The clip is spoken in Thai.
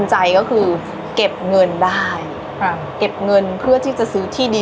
มีขอเสนออยากให้แม่หน่อยอ่อนสิทธิ์การเลี้ยงดู